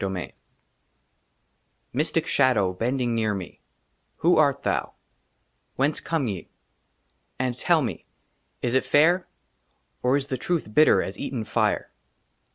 ^* VII MYSTIC SHADOW, BENDING NEAR ME, WHO ART THOU ? WHENCE COME YE? AND TELL ME IS IT FAIR OR IS THE TRUTH BITTER AS EATEN FIRE?